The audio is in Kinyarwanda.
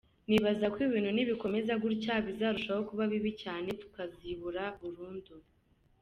Nibaza ko ibintu nibikomeza gutya bizarushaho kuba bibi cyane tukazibura burundu”.